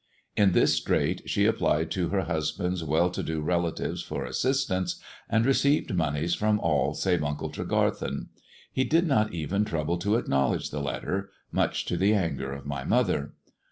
In this strait she applied to her husband's well to do relatives for assistance, and received monies from all save Uncle Tregarthen. He did not even trouble to acknowledge the letter, much to the anger of my mother.